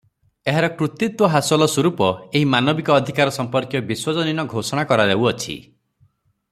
ଏହାର କୃତିତ୍ତ୍ୱ ହାସଲ ସ୍ୱରୁପ ଏହି ମାନବିକ ଅଧିକାର ସମ୍ପର୍କୀୟ ବିଶ୍ୱଜନୀନ ଘୋଷଣା କରାଯାଉଅଛି ।